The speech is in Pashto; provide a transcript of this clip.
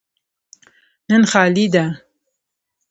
نن خالي ده.